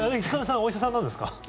お医者さんなんですか？